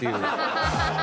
ハハハハ！